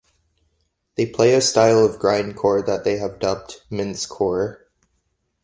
They play a style of grindcore that they have dubbed "mincecore".